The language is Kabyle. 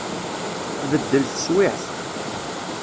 Tbeddel teswiɛt.